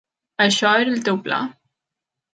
Això era el teu pla?